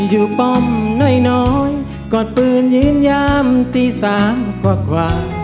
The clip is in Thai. อยู่ป่อมน้อยน้อยกอดปืนยืนยามตีสามกว่า